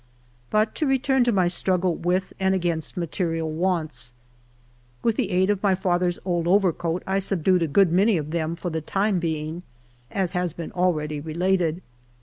But to return to my struggle with and against material wants. With the aid of my father's old overcoat I subdued a good many of them for the time being, as has been already related.